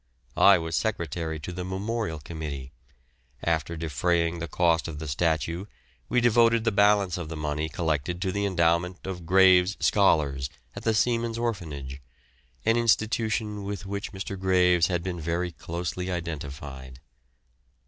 I was secretary to the memorial committee. After defraying the cost of the statue we devoted the balance of the money collected to the endowment of "Graves" scholars at the Seamen's Orphanage, an institution with which Mr. Graves had been very closely identified.